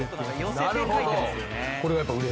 なるほど！